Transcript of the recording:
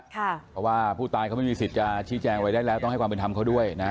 เพราะว่าผู้ตายเขาไม่มีสิทธิ์จะชี้แจงอะไรได้แล้วต้องให้ความเป็นธรรมเขาด้วยนะฮะ